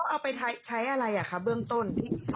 อ๋อแล้วเอาไปใช้อะไรครับเบื้องต้น